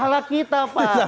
itu salah kita pak